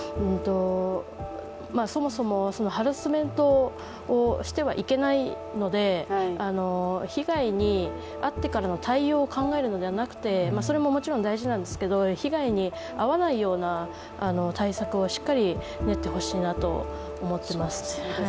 そもそもハラスメントをしてはいけないので被害に遭ってからの対応を考えるのではなくてそれももちろん大事なんですけれども、被害に遭わないような対策をしっかり練ってほしいなと思っています。